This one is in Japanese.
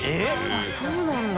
あっそうなんだ。